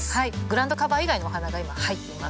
グラウンドカバー以外のお花が今入ってます。